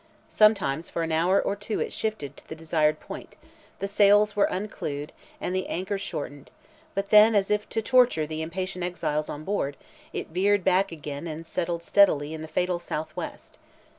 Sometimes for an hour or two it shifted to the desired point, the sails were unclewed and the anchors shortened, but then, as if to torture the impatient exiles on board, it veered back again and settled steadily in the fatal south west.